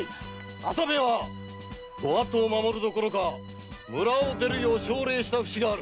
麻兵衛は御法度を守るどころか村を出るよう奨励した節がある。